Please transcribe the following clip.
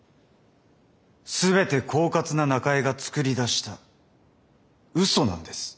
全てこうかつな中江が作り出したうそなんです。